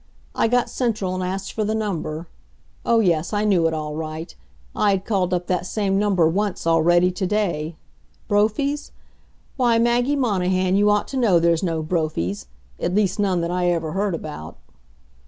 I got Central and asked for the number. Oh, yes, I knew it all right; I had called up that same number once, already, to day. Brophy's? Why, Maggie Monahan, you ought to know there's no Brophy's. At least none that I ever heard about.